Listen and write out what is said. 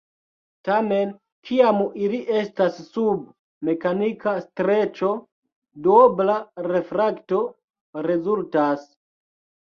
Tamen, kiam ili estas sub mekanika streĉo, duobla refrakto rezultas.